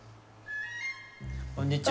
こんにちは。